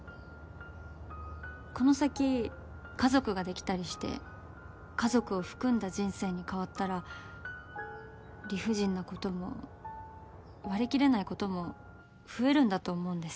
この先家族ができたりして家族を含んだ人生に変わったら理不尽なことも割り切れないことも増えるんだと思うんです。